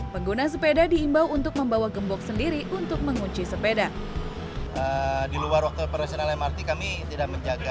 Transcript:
pengguna sepeda diimbau untuk membawa gembok sendiri untuk mengunci sepeda